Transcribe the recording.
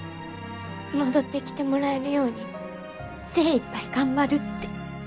戻ってきてもらえるように精いっぱい頑張るって。